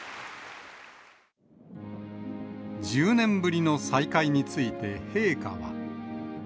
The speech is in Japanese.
１０年ぶりの再会について陛下は。